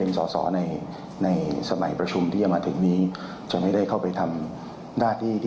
รองหัวหน้าพรรคก้าวไกล